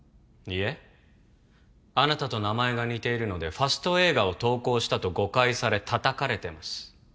いいえあなたと名前が似ているのでファスト映画を投稿したと誤解され叩かれてます